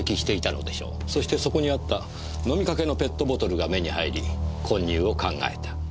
そしてそこにあった飲みかけのペットボトルが目に入り混入を考えた。